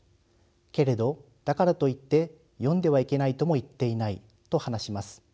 けれどだからといって読んではいけないとも言っていない」と話します。